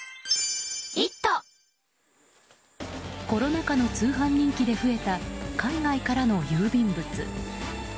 コロナ禍の通販人気で増えた海外からの郵便物。